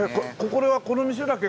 これはこの店だけ？